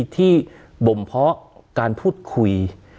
ที่บ่มเพาะการพูดคุย